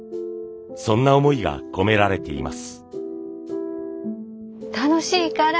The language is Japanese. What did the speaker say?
そんな思いが込められています。